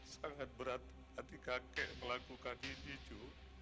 sangat berat hati kakek melakukan ini cu